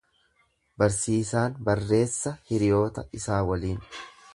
Barsiisaan barreessa hiriyoota isaa waliin.